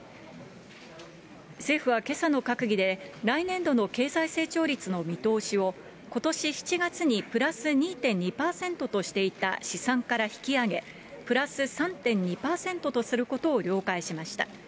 政府はけさの閣議で、来年度の経済成長率の見通しを、ことし７月にプラス２．２％としていた試算から引き上げ、プラス３．２％とすることを了解しました。